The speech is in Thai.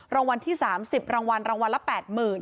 รางวัลที่๓๐รางวัลรางวัลละ๘๐๐๐